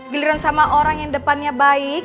giliran sama orang yang depannya baik